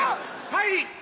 はい！